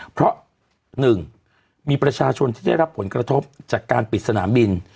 เพราะ๑มีประชาชนที่ได้รับผลกระทบจากการปิดสนามบิน